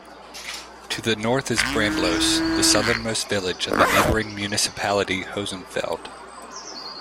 To the north is Brandlos, the southernmost village of the neighboring municipality Hosenfeld.